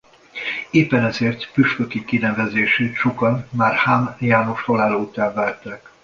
Éppen ezért püspöki kinevezését sokan már Hám János halála után várták.